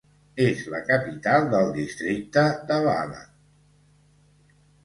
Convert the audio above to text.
És la capital del districte de Balad.